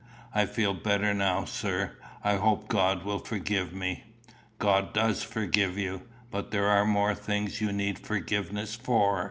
"I feel better now, sir. I hope God will forgive me." "God does forgive you. But there are more things you need forgiveness for.